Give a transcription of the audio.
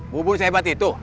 bubun sehebat itu